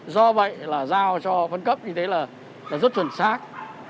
do vậy là giao cho phân cấp như thế là rất chuẩn xác